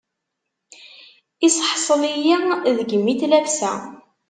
Iseḥṣel-iyi deg imi n tlafsa.